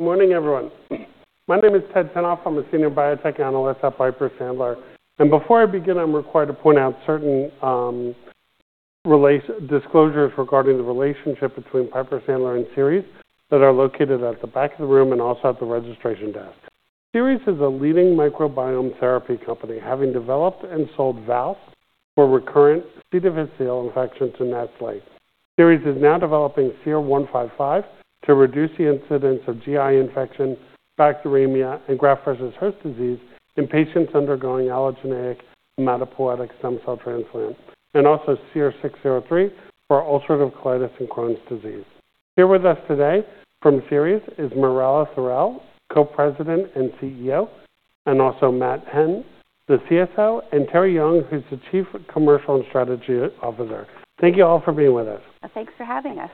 Good morning, everyone. My name is Ted Tenthoff. I'm a Senior Biotech Analyst at Piper Sandler. Before I begin, I'm required to point out certain disclosures regarding the relationship between Piper Sandler and Seres that are located at the back of the room and also at the registration desk. Seres is a leading microbiome therapy company, having developed and sold VOWST for recurrent C. difficile infections in that site. Seres is now developing SER-155 to reduce the incidence of GI infection, bacteremia, and graft-versus-host disease in patients undergoing allogeneic hematopoietic stem cell transplant, and also SER-603 for ulcerative colitis and Crohn's disease. Here with us today from Seres is Marella Thorell, Co-President and CEO, and also Matt Henn, the CSO, and Terri Young, who's the Chief Commercial and Strategy Officer. Thank you all for being with us. Thanks for having us.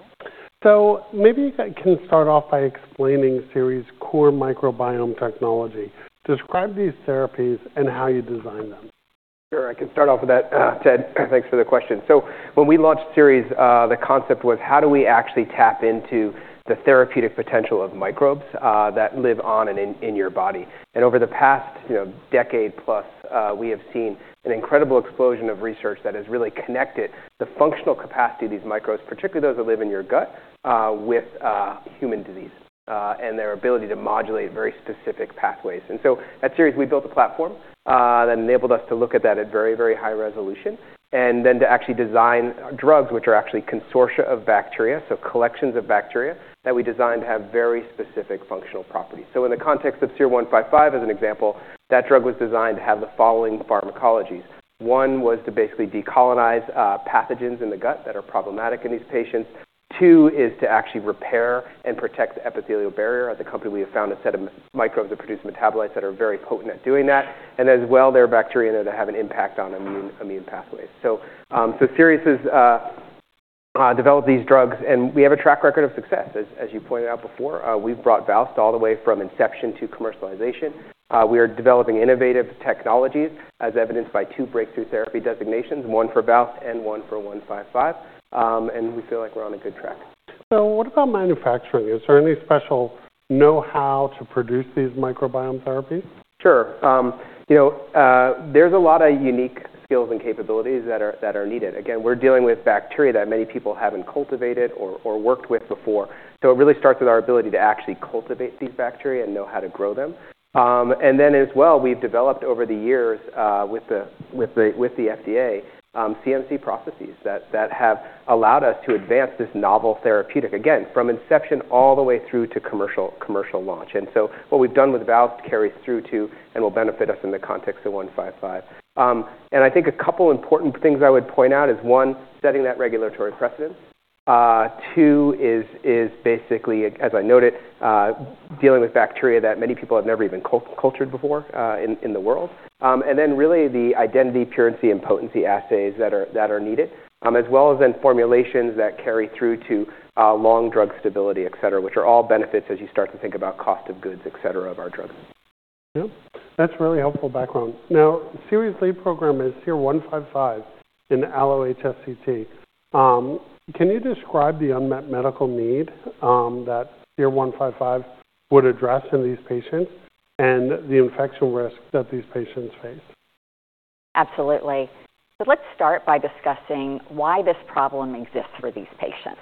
Maybe you can start off by explaining Seres' core microbiome technology. Describe these therapies and how you design them. Sure. I can start off with that, Ted. Thanks for the question. When we launched Seres, the concept was, how do we actually tap into the therapeutic potential of microbes that live on and in your body? Over the past decade plus, we have seen an incredible explosion of research that has really connected the functional capacity of these microbes, particularly those that live in your gut, with human disease and their ability to modulate very specific pathways. At Seres, we built a platform that enabled us to look at that at very, very high resolution and then to actually design drugs which are actually consortia of bacteria, so collections of bacteria that we designed to have very specific functional properties. In the context of SER-155, as an example, that drug was designed to have the following pharmacologies. One was to basically decolonize pathogens in the gut that are problematic in these patients. Two is to actually repair and protect the epithelial barrier. At the company, we have found a set of microbes that produce metabolites that are very potent at doing that, and as well, there are bacteria in there that have an impact on immune pathways. Seres has developed these drugs, and we have a track record of success. As you pointed out before, we've brought VOWST all the way from inception to commercialization. We are developing innovative technologies, as evidenced by two Breakthrough Therapy designations, one for VOWST and one for SER-155. We feel like we're on a good track. What about manufacturing? Is there any special know-how to produce these microbiome therapies? Sure. There's a lot of unique skills and capabilities that are needed. Again, we're dealing with bacteria that many people haven't cultivated or worked with before. It really starts with our ability to actually cultivate these bacteria and know how to grow them. We have developed over the years with the FDA CMC processes that have allowed us to advance this novel therapeutic, again, from inception all the way through to commercial launch. What we've done with VOWST carries through to and will benefit us in the context of 155. I think a couple of important things I would point out is, one, setting that regulatory precedence. Two is basically, as I noted, dealing with bacteria that many people have never even cultured before in the world. The identity, purity, and potency assays that are needed, as well as then formulations that carry through to long drug stability, et cetera, which are all benefits as you start to think about cost of goods, et cetera, of our drugs. That's really helpful background. Now, Seres' lead program is SER-155 in the allo-HSCT. Can you describe the unmet medical need that SER-155 would address in these patients and the infection risk that these patients face? Absolutely. Let's start by discussing why this problem exists for these patients.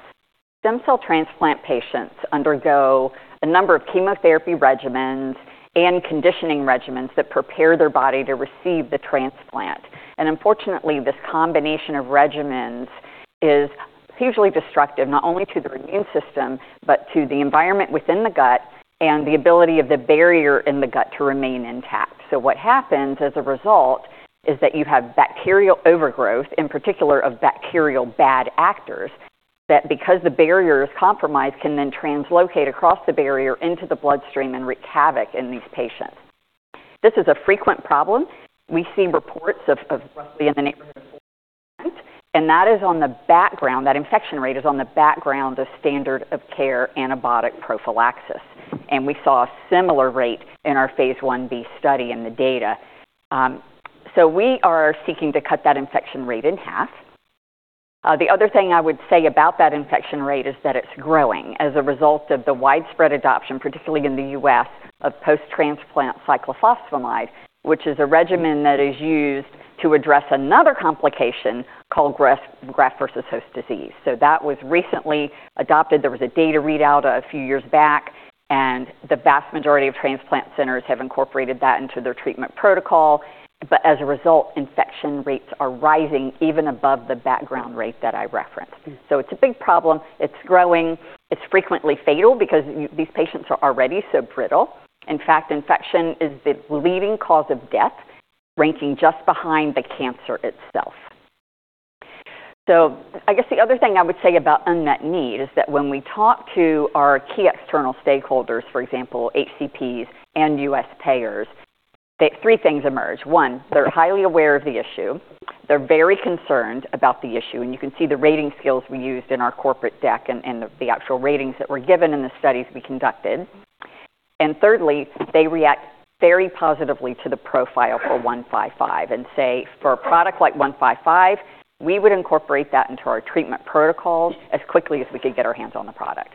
Stem cell transplant patients undergo a number of chemotherapy regimens and conditioning regimens that prepare their body to receive the transplant. Unfortunately, this combination of regimens is hugely destructive, not only to the immune system, but to the environment within the gut and the ability of the barrier in the gut to remain intact. What happens as a result is that you have bacterial overgrowth, in particular of bacterial bad actors, that because the barrier is compromised, can then translocate across the barrier into the bloodstream and wreak havoc in these patients. This is a frequent problem. We see reports of roughly in the neighborhood of 4%. That infection rate is on the background of standard of care antibiotic prophylaxis. We saw a similar rate in our phase Ib study in the data. We are seeking to cut that infection rate in half. The other thing I would say about that infection rate is that it's growing as a result of the widespread adoption, particularly in the U.S., of post-transplant cyclophosphamide, which is a regimen that is used to address another complication called graft-versus-host disease. That was recently adopted. There was a data readout a few years back, and the vast majority of transplant centers have incorporated that into their treatment protocol. As a result, infection rates are rising even above the background rate that I referenced. It's a big problem. It's growing. It's frequently fatal because these patients are already so brittle. In fact, infection is the leading cause of death, ranking just behind the cancer itself. I guess the other thing I would say about unmet need is that when we talk to our key external stakeholders, for example, HCPs and U.S. payers, three things emerge. One, they're highly aware of the issue. They're very concerned about the issue. You can see the rating scales we used in our corporate deck and the actual ratings that were given in the studies we conducted. Thirdly, they react very positively to the profile for 155 and say, for a product like 155, we would incorporate that into our treatment protocols as quickly as we could get our hands on the product.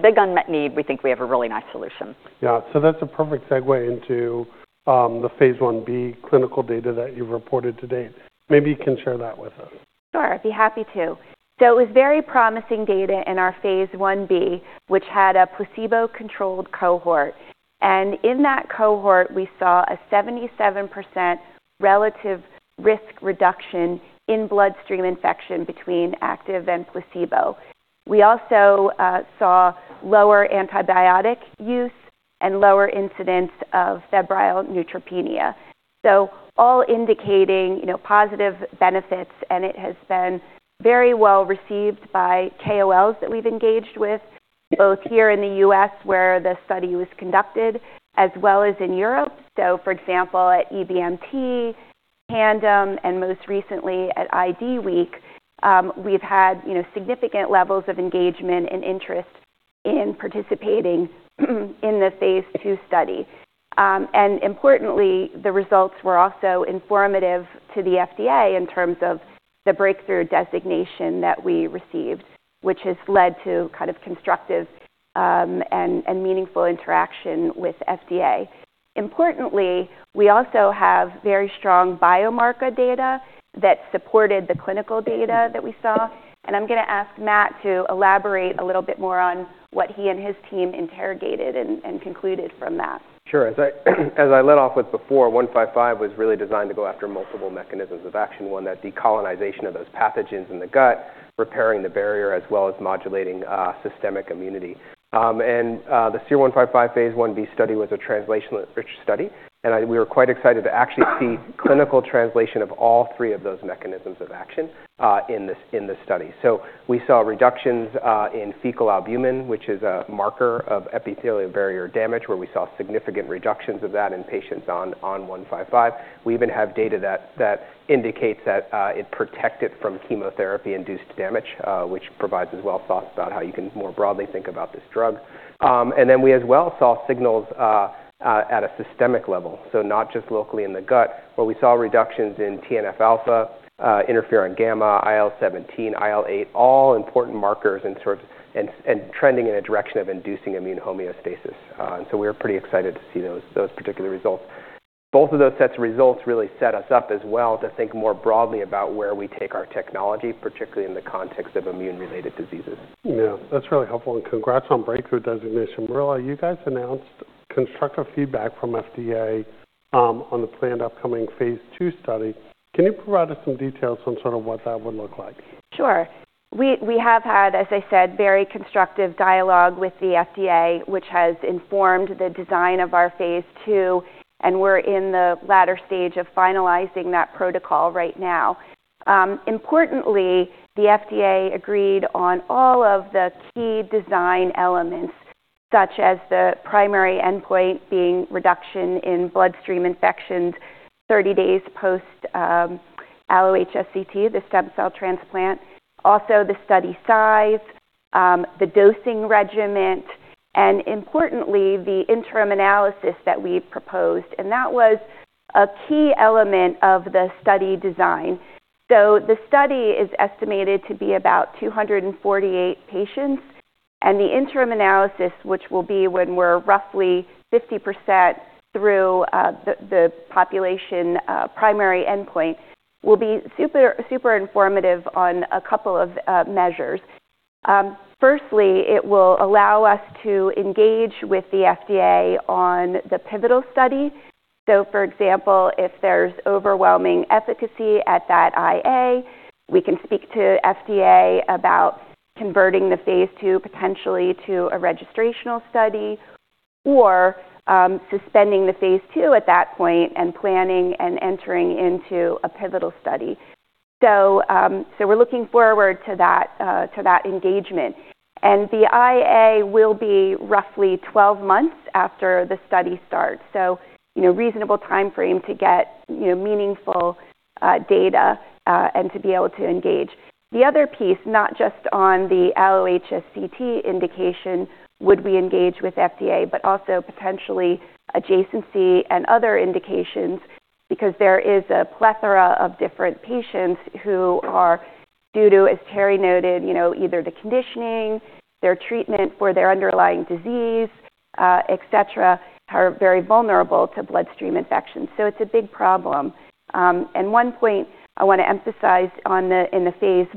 Big unmet need, we think we have a really nice solution. Yeah. That's a perfect segue into the phase Ib clinical data that you've reported to date. Maybe you can share that with us. Sure. I'd be happy to. It was very promising data in our phase Ib, which had a placebo-controlled cohort. In that cohort, we saw a 77% relative risk reduction in bloodstream infection between active and placebo. We also saw lower antibiotic use and lower incidence of febrile neutropenia. All indicating positive benefits. It has been very well received by KOLs that we've engaged with, both here in the U.S. where the study was conducted, as well as in Europe. For example, at EBMT, Tandem, and most recently at IDWeek, we've had significant levels of engagement and interest in participating in the phase II study. Importantly, the results were also informative to the FDA in terms of the Breakthrough Therapy designation that we received, which has led to kind of constructive and meaningful interaction with FDA. Importantly, we also have very strong biomarker data that supported the clinical data that we saw. I am going to ask Matt to elaborate a little bit more on what he and his team interrogated and concluded from that. Sure. As I led off with before, 155 was really designed to go after multiple mechanisms of action, one that decolonization of those pathogens in the gut, repairing the barrier, as well as modulating systemic immunity. The SER-155 phase Ib study was a translation study. We were quite excited to actually see clinical translation of all three of those mechanisms of action in the study. We saw reductions in fecal albumin, which is a marker of epithelial barrier damage, where we saw significant reductions of that in patients on 155. We even have data that indicates that it protected from chemotherapy-induced damage, which provides as well thoughts about how you can more broadly think about this drug. We as well saw signals at a systemic level, so not just locally in the gut, where we saw reductions in TNF-alpha, interferon-gamma, IL-17, IL-8, all important markers and trending in a direction of inducing immune homeostasis. We were pretty excited to see those particular results. Both of those sets of results really set us up as well to think more broadly about where we take our technology, particularly in the context of immune-related diseases. Yeah. That's really helpful. And congrats on breakthrough designation. Marella, you guys announced constructive feedback from FDA on the planned upcoming phase II study. Can you provide us some details on sort of what that would look like? Sure. We have had, as I said, very constructive dialogue with the FDA, which has informed the design of our phase II. We are in the latter stage of finalizing that protocol right now. Importantly, the FDA agreed on all of the key design elements, such as the primary endpoint being reduction in bloodstream infections 30 days post allo-HSCT, the stem cell transplant, also the study size, the dosing regimen, and importantly, the interim analysis that we proposed. That was a key element of the study design. The study is estimated to be about 248 patients. The interim analysis, which will be when we are roughly 50% through the population primary endpoint, will be super informative on a couple of measures. Firstly, it will allow us to engage with the FDA on the pivotal study. For example, if there's overwhelming efficacy at that IA, we can speak to FDA about converting the phase II potentially to a registrational study or suspending the phase II at that point and planning and entering into a pivotal study. We are looking forward to that engagement. The IA will be roughly 12 months after the study starts. It is a reasonable timeframe to get meaningful data and to be able to engage. The other piece, not just on the allo-HSCT indication, would we engage with FDA, but also potentially adjacency and other indications, because there is a plethora of different patients who are, due to, as Terri noted, either the conditioning, their treatment for their underlying disease, et cetera, are very vulnerable to bloodstream infections. It is a big problem. One point I want to emphasize in the phase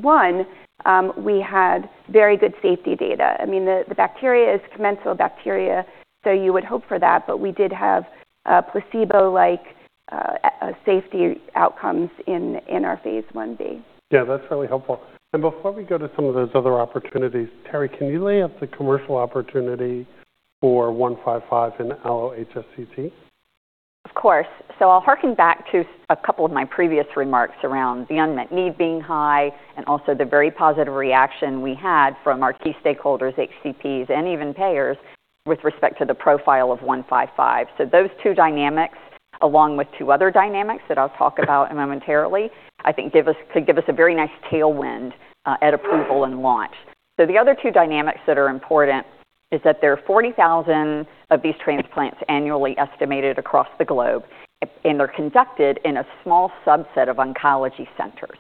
I, we had very good safety data. I mean, the bacteria is commensal bacteria, so you would hope for that. We did have placebo-like safety outcomes in our phase Ib. Yeah. That's really helpful. Before we go to some of those other opportunities, Terri, can you lay out the commercial opportunity for 155 in allo-HSCT? Of course. I'll hearken back to a couple of my previous remarks around the unmet need being high and also the very positive reaction we had from our key stakeholders, HCPs, and even payers with respect to the profile of 155. Those two dynamics, along with two other dynamics that I'll talk about momentarily, I think could give us a very nice tailwind at approval and launch. The other two dynamics that are important is that there are 40,000 of these transplants annually estimated across the globe. They're conducted in a small subset of oncology centers.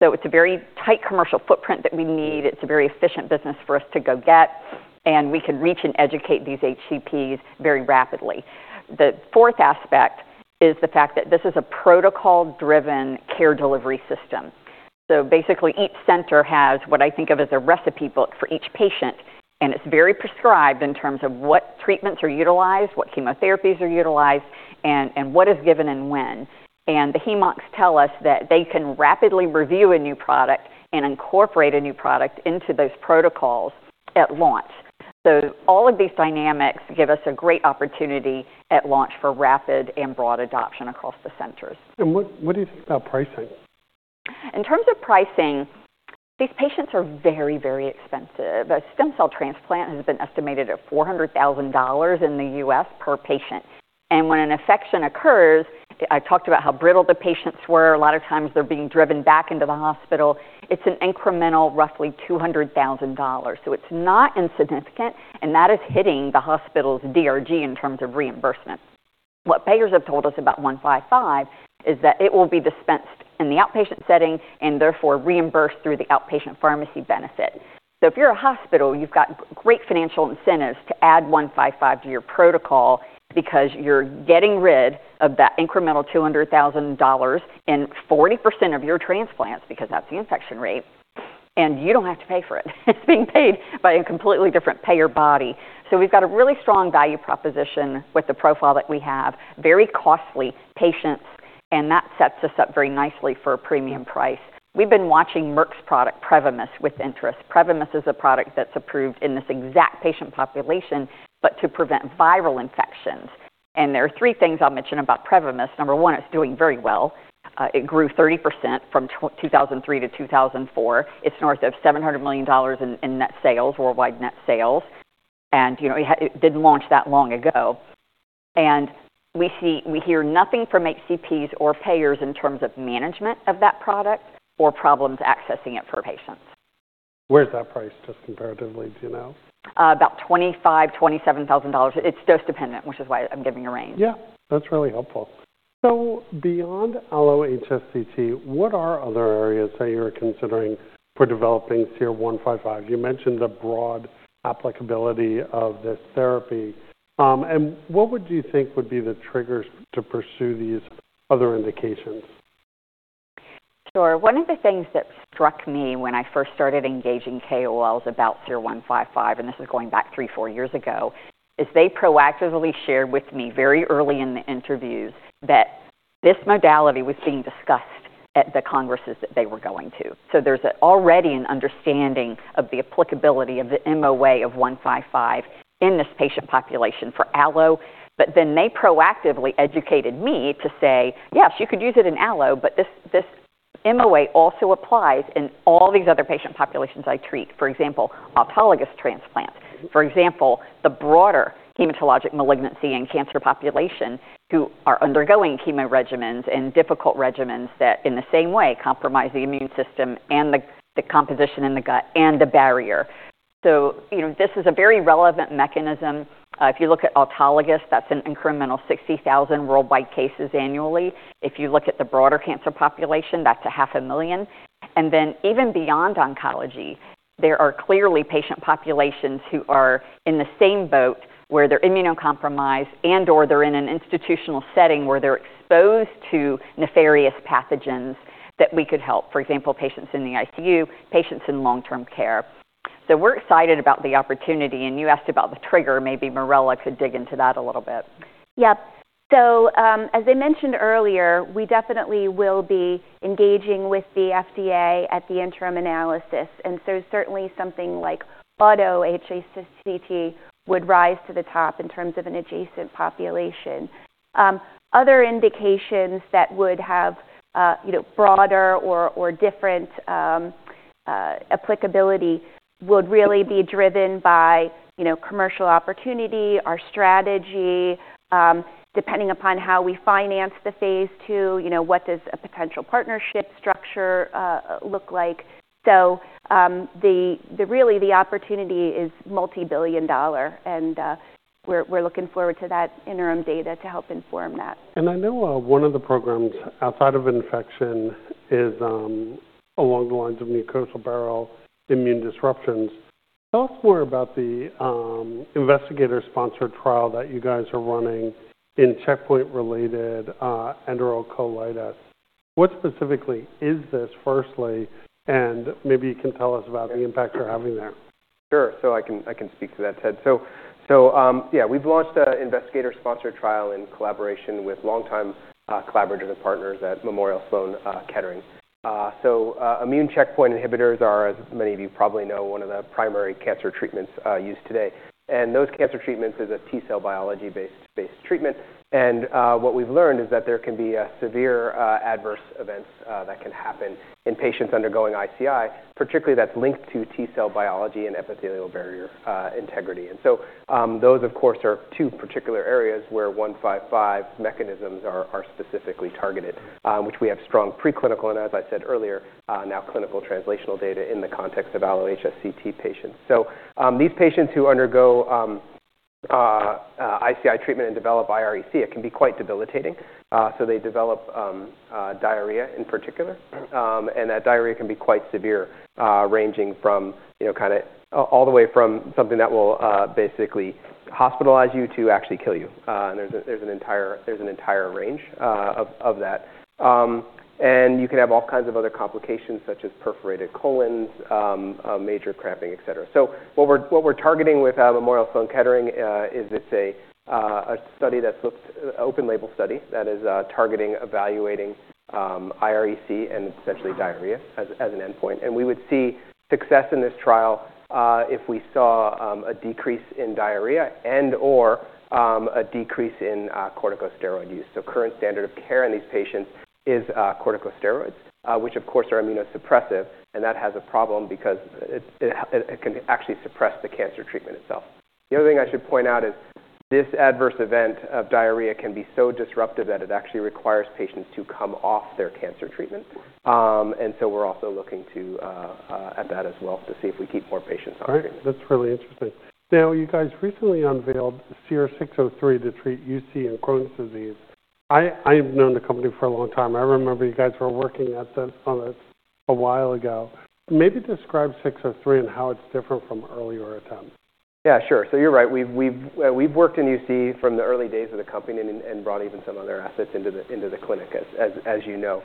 It's a very tight commercial footprint that we need. It's a very efficient business for us to go get. We can reach and educate these HCPs very rapidly. The fourth aspect is the fact that this is a protocol-driven care delivery system. Basically, each center has what I think of as a recipe book for each patient. It is very prescribed in terms of what treatments are utilized, what chemotherapies are utilized, and what is given and when. The HEMOCs tell us that they can rapidly review a new product and incorporate a new product into those protocols at launch. All of these dynamics give us a great opportunity at launch for rapid and broad adoption across the centers. What do you think about pricing? In terms of pricing, these patients are very, very expensive. A stem cell transplant has been estimated at $400,000 in the U.S. per patient. When an infection occurs, I talked about how brittle the patients were. A lot of times, they're being driven back into the hospital. It's an incremental roughly $200,000. It is not insignificant. That is hitting the hospital's DRG in terms of reimbursement. What payers have told us about 155 is that it will be dispensed in the outpatient setting and therefore reimbursed through the outpatient pharmacy benefit. If you're a hospital, you've got great financial incentives to add 155 to your protocol because you're getting rid of that incremental $200,000 in 40% of your transplants because that's the infection rate. You do not have to pay for it. It's being paid by a completely different payer body. We've got a really strong value proposition with the profile that we have, very costly patients. That sets us up very nicely for a premium price. We've been watching Merck's product, PREVYMIS, with interest. PREVYMIS is a product that's approved in this exact patient population, but to prevent viral infections. There are three things I'll mention about PREVYMIS. Number one, it's doing very well. It grew 30% from 2003 to 2004. It's north of $700 million in net sales, worldwide net sales. It didn't launch that long ago. We hear nothing from HCPs or payers in terms of management of that product or problems accessing it for patients. Where's that price just comparatively, do you know? About $25,000-$27,000. It's dose-dependent, which is why I'm giving a range. Yeah. That's really helpful. Beyond allo-HSCT, what are other areas that you're considering for developing SER-155? You mentioned the broad applicability of this therapy. What would you think would be the triggers to pursue these other indications? Sure. One of the things that struck me when I first started engaging KOLs about SER-155, and this is going back three, four years ago, is they proactively shared with me very early in the interviews that this modality was being discussed at the congresses that they were going to. There is already an understanding of the applicability of the MOA of 155 in this patient population for allo-HSCT. They proactively educated me to say, "Yes, you could use it in allo-HSCT, but this MOA also applies in all these other patient populations I treat, for example, autologous transplants, for example, the broader hematologic malignancy and cancer population who are undergoing chemo regimens and difficult regimens that in the same way compromise the immune system and the composition in the gut and the barrier." This is a very relevant mechanism. If you look at autologous, that's an incremental 60,000 worldwide cases annually. If you look at the broader cancer population, that's 500,000. Even beyond oncology, there are clearly patient populations who are in the same boat where they're immunocompromised and/or they're in an institutional setting where they're exposed to nefarious pathogens that we could help, for example, patients in the ICU, patients in long-term care. We're excited about the opportunity. You asked about the trigger. Maybe Marella could dig into that a little bit. Yeah. As I mentioned earlier, we definitely will be engaging with the FDA at the interim analysis. Certainly something like autologous transplant would rise to the top in terms of an adjacent population. Other indications that would have broader or different applicability would really be driven by commercial opportunity, our strategy, depending upon how we finance the phase II, what does a potential partnership structure look like. Really, the opportunity is multi-billion dollar. We're looking forward to that interim data to help inform that. I know one of the programs outside of infection is along the lines of mucosal barrier immune disruptions. Tell us more about the investigator-sponsored trial that you guys are running in checkpoint-related enterocolitis. What specifically is this firstly? Maybe you can tell us about the impact you're having there. Sure. I can speak to that, Ted. Yeah, we've launched an investigator-sponsored trial in collaboration with longtime collaborators and partners at Memorial Sloan Kettering. Immune checkpoint inhibitors are, as many of you probably know, one of the primary cancer treatments used today. Those cancer treatments are a T-cell biology-based treatment. What we've learned is that there can be severe adverse events that can happen in patients undergoing ICI, particularly that's linked to T-cell biology and epithelial barrier integrity. Those, of course, are two particular areas where 155 mechanisms are specifically targeted, which we have strong preclinical and, as I said earlier, now clinical translational data in the context of allo-HSCT patients. These patients who undergo ICI treatment and develop irEC, it can be quite debilitating. They develop diarrhea in particular. That diarrhea can be quite severe, ranging from kind of all the way from something that will basically hospitalize you to actually kill you. There is an entire range of that. You can have all kinds of other complications, such as perforated colons, major cramping, et cetera. What we are targeting with Memorial Sloan Kettering is a study that is an open-label study that is targeting, evaluating immune-related enterocolitis and essentially diarrhea as an endpoint. We would see success in this trial if we saw a decrease in diarrhea and/or a decrease in corticosteroid use. Current standard of care in these patients is corticosteroids, which, of course, are immunosuppressive. That has a problem because it can actually suppress the cancer treatment itself. The other thing I should point out is this adverse event of diarrhea can be so disruptive that it actually requires patients to come off their cancer treatment. We are also looking at that as well to see if we keep more patients on treatment. That's really interesting. Now, you guys recently unveiled SER-603 to treat UC and Crohn's disease. I've known the company for a long time. I remember you guys were working on this a while ago. Maybe describe 603 and how it's different from earlier attempts. Yeah. Sure. You're right. We've worked in UC from the early days of the company and brought even some other assets into the clinic, as you know.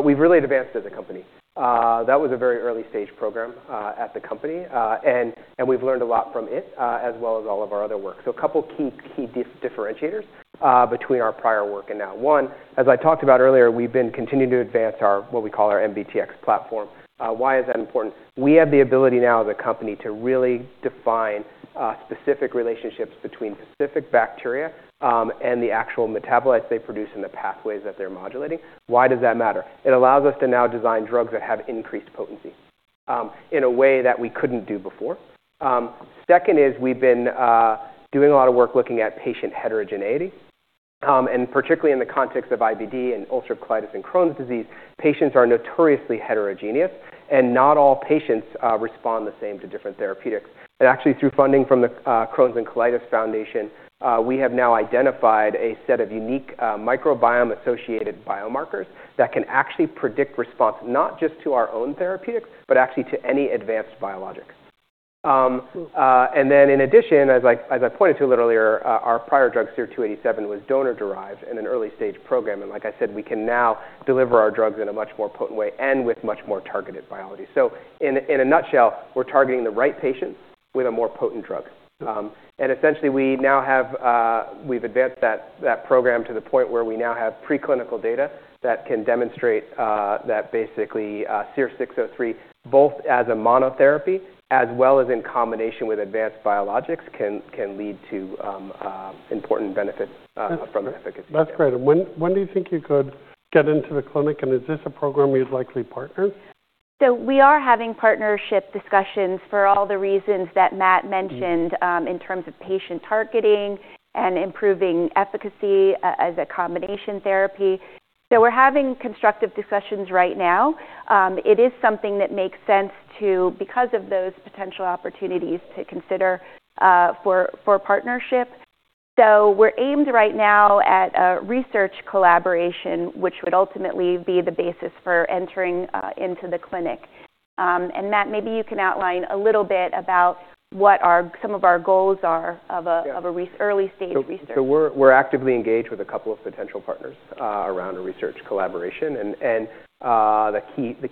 We've really advanced as a company. That was a very early-stage program at the company. We've learned a lot from it as well as all of our other work. A couple of key differentiators between our prior work and now. One, as I talked about earlier, we've been continuing to advance what we call our MbTx platform. Why is that important? We have the ability now as a company to really define specific relationships between specific bacteria and the actual metabolites they produce and the pathways that they're modulating. Why does that matter? It allows us to now design drugs that have increased potency in a way that we couldn't do before. Second is we've been doing a lot of work looking at patient heterogeneity. Particularly in the context of IBD and ulcerative colitis and Crohn's disease, patients are notoriously heterogeneous. Not all patients respond the same to different therapeutics. Actually, through funding from the Crohn's & Colitis Foundation, we have now identified a set of unique microbiome-associated biomarkers that can actually predict response, not just to our own therapeutics, but actually to any advanced biologic. In addition, as I pointed to a little earlier, our prior drug, SER-287, was donor-derived in an early-stage program. Like I said, we can now deliver our drugs in a much more potent way and with much more targeted biology. In a nutshell, we're targeting the right patients with a more potent drug. Essentially, we've advanced that program to the point where we now have preclinical data that can demonstrate that basically SER-603, both as a monotherapy as well as in combination with advanced biologics, can lead to important benefits from efficacy. That's great. When do you think you could get into the clinic? Is this a program you'd likely partner? We are having partnership discussions for all the reasons that Matt mentioned in terms of patient targeting and improving efficacy as a combination therapy. We are having constructive discussions right now. It is something that makes sense to, because of those potential opportunities, to consider for partnership. We are aimed right now at a research collaboration, which would ultimately be the basis for entering into the clinic. Matt, maybe you can outline a little bit about what some of our goals are of an early-stage research. We are actively engaged with a couple of potential partners around a research collaboration. The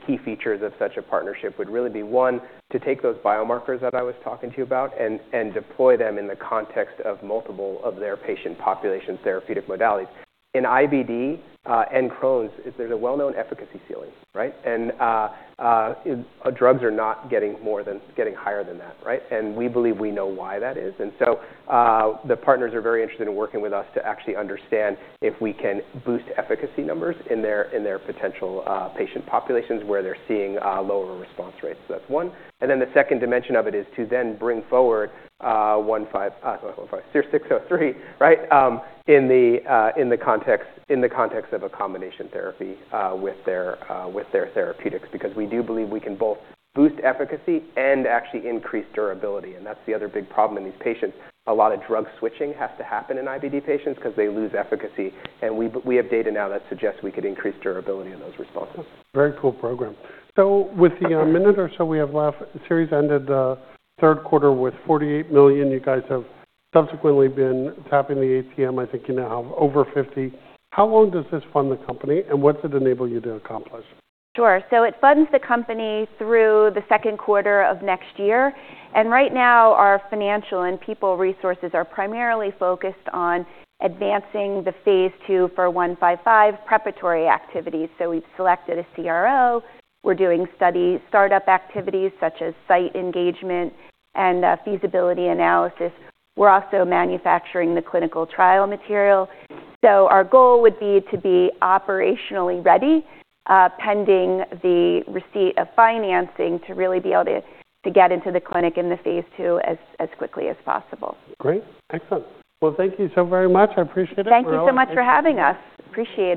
key features of such a partnership would really be, one, to take those biomarkers that I was talking to you about and deploy them in the context of multiple of their patient population therapeutic modalities. In IBD and Crohn's, there is a well-known efficacy ceiling, right? Drugs are not getting higher than that, right? We believe we know why that is. The partners are very interested in working with us to actually understand if we can boost efficacy numbers in their potential patient populations where they're seeing lower response rates. That's one. The second dimension of it is to then bring forward SER-603, right, in the context of a combination therapy with their therapeutics because we do believe we can both boost efficacy and actually increase durability. That's the other big problem in these patients. A lot of drug switching has to happen in IBD patients because they lose efficacy. We have data now that suggests we could increase durability in those responses. Very cool program. With the minute or so we have left, Seres ended the third quarter with $48 million. You guys have subsequently been tapping the ATM. I think you now have over $50 million. How long does this fund the company? What's it enable you to accomplish? Sure. It funds the company through the second quarter of next year. Right now, our financial and people resources are primarily focused on advancing the phase II for 155 preparatory activities. We have selected a CRO. We are doing study startup activities such as site engagement and feasibility analysis. We are also manufacturing the clinical trial material. Our goal would be to be operationally ready pending the receipt of financing to really be able to get into the clinic in the phase II as quickly as possible. Great. Excellent. Thank you so very much. I appreciate it, Marella. Thank you so much for having us. Appreciate it.